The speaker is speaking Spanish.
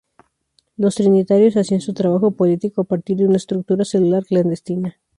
Los trinitarios hacían su trabajo político a partir de una estructura celular clandestina.